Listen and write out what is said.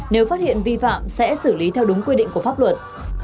nếu phát hiện vi phạm sẽ xử lý theo đúng quy định của pháp luật